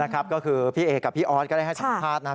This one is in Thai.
นั่นนะครับก็คือพี่เอกับพี่ออสก็ได้ชมภาพนะครับ